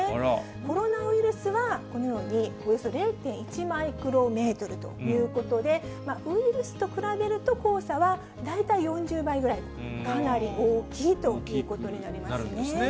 コロナウイルスはこのようにおよそ０．１マイクロメートルということで、ウイルスと比べると黄砂は大体４０倍ぐらいと、かなり大きいということになりますね。